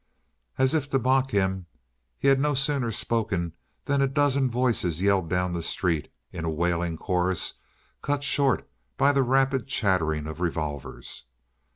As if to mock him, he had no sooner spoken than a dozen voices yelled down the street in a wailing chorus cut short by the rapid chattering of revolvers.